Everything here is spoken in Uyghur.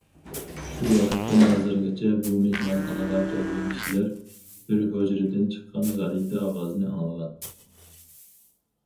شۇ ۋاقىتتىن ھازىرغىچە بۇ مېھمانخانىغا كەلگەن كىشىلەر بىر ھۇجرىدىن چىققان غەلىتە ئاۋازنى ئاڭلىغان.